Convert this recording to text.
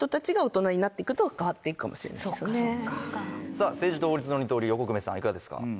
さぁ政治と法律の二刀流横粂さんいかがですか？